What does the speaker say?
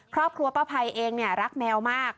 ครอบครัวป้าภัยเองเนี่ยรักแมวมาก